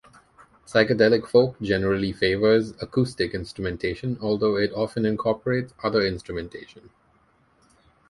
Psychedelic folk generally favors acoustic instrumentation although it often incorporates other instrumentation.